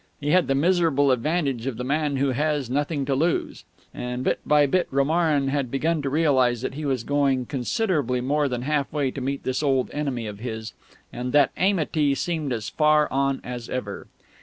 He had the miserable advantage of the man who has nothing to lose. And bit by bit, Romarin had begun to realise that he was going considerably more than halfway to meet this old enemy of his, and that amity seemed as far on as ever.